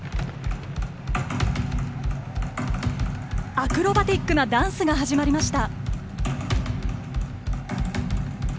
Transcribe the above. アクロバティックなダンスが始まりました。